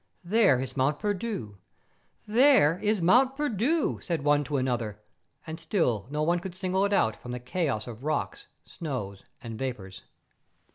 ' There is Mont Perdu ! There is Mont Perdu !' said one to another, and still no one could single it out from the chaos of rocks, snows, and vapours.